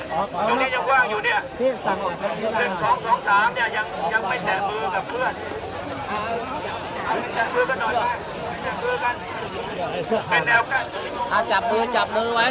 จับมือไว้จับมือไว้